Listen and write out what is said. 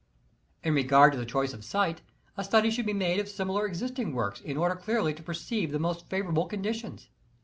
In regard to the choice of site, a study should be made of similar existing works in order clearly to perceive the most favorable conditions.